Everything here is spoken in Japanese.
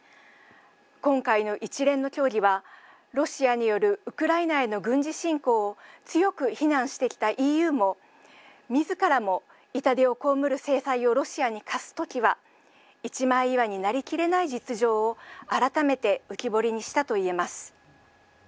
今回の一連の協議はロシアによるウクライナへの軍事侵攻を強く非難してきたＥＵもみずからも、痛手を被る制裁をロシアに科すときは一枚岩になりきれない実情を改めて浮き彫りにしたといえます。